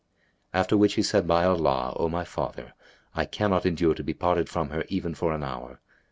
"[FN#278] After which he said, "By Allah, O my father, I cannot endure to be parted from her even for an hour."